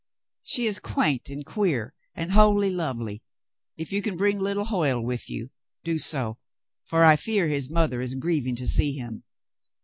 She is quaint and queer and wholly lovely. If you can bring little Hoyle with you, do so, for I fear his mother is grieving to see him.